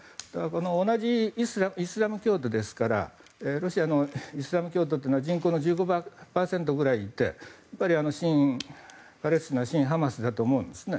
同じイスラム教徒ですからロシアのイスラム教徒というのは人口の１５％ぐらいいて親パレスチナ、親ハマスだと思うんですね。